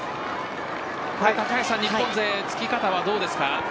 日本勢のつき方はどうでしょうか。